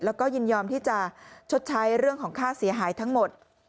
แล้วก็ยินยอมที่จะชดใช้เรื่องของค่าเสียหายทั้งหมด